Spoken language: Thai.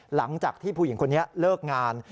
หลังจากที่ผู้หญิงคนนี้เลิกงาน